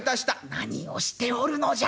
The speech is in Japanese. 「何をしておるのじゃ！